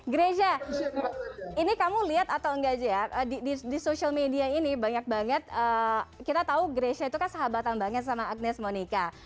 grecia ini kamu lihat atau enggak sih ya di social media ini banyak banget kita tahu grecia itu kan sahabatan banget sama agnes monika